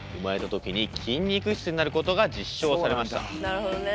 なるほどね。